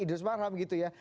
idris marham gitu ya